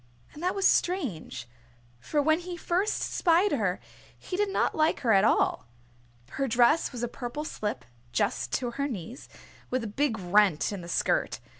And that was strange, for when he first spied her he did not like her at all. Her dress was a purple slip just to her knees, with a big rent in the skirt.